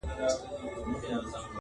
يار له جهان سره سیالي کومه ښه کومه